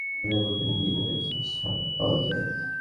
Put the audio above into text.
তবে বেড়াতে যাওয়ার আগে অনলাইনে বুকিং দিয়ে গেলে বিশেষ ছাড় পাওয়া যায়।